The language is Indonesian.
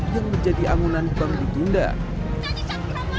yang menjadi anggunan pergindah